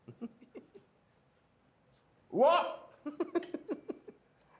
うわっ！